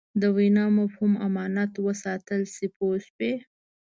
د وینا مفهوم امانت وساتل شي پوه شوې!.